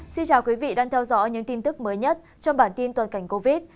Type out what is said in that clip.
xin chào quý vị đang theo dõi những tin tức mới nhất trong bản tin toàn cảnh covid